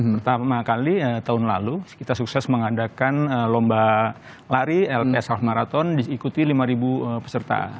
pertama kali tahun lalu kita sukses mengadakan lomba lari lps half marathon diikuti lima peserta